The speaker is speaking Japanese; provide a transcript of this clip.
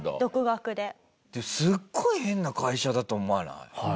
すっごい変な会社だと思わない？